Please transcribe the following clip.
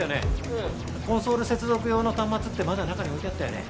ええコンソール接続用の端末ってまだ中に置いてあったよね